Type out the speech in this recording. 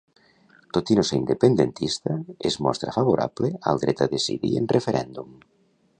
Tot i no ser independentista, es mostra favorable al dret a decidir en referèndum.